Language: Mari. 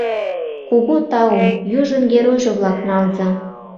Кугу таум, южын геройжо-влак, налза!